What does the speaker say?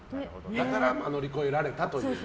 だから乗り越えられたというね。